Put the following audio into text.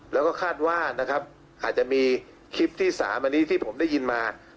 แล้วก็คาดว่านะครับอาจจะมีคลิปที่๓อันนี้ที่ผมได้ยินมา